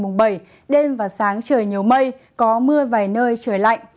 từ ngày bảy tháng một mươi một đến ngày bảy đêm và sáng trời nhiều mây có mưa vài nơi trời lạnh